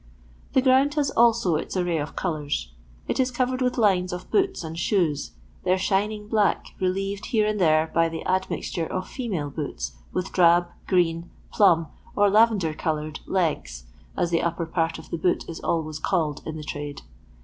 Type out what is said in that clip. The ground has also its array of colours. It is covered with lines of boots and shoes, their shining black relieved here and there by the admixture of females' boots, with drab, green, plum or lavender coloured " legs," as the upper part of the boot is always called in the trade.